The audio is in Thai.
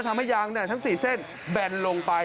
ทำให้ยางทั้ง๔เส้นแบนลงไป